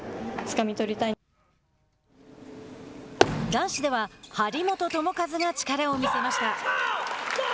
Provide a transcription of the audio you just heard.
男子では張本智和が力を見せました。